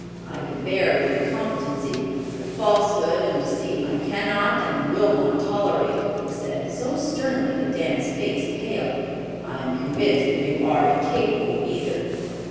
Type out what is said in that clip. I can bear with incompetency, but falsehood and deceit I cannot and will not tolerate," he said, so sternly that Dan's face paled. "I am convinced that you are incapable of either.